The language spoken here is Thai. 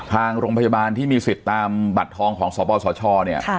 ทางโรงพยาบาลที่มีสิทธิ์ตามบัตรทองของสปสชเนี่ย